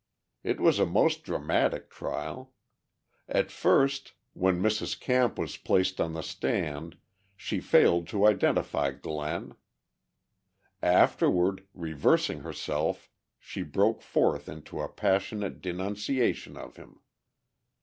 It was a most dramatic trial; at first, when Mrs. Camp was placed on the stand she failed to identify Glenn; afterward, reversing herself she broke forth into a passionate denunciation of him.